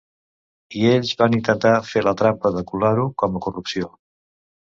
I ells van intentar fer la trampa de colar-ho com a corrupció.